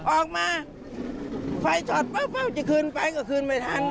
ออกมาไฟชอดจะคืนไปก็คืนไม่ทัน